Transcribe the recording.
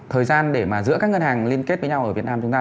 thời gian để mà giữa các ngân hàng liên kết với nhau ở việt nam chúng ta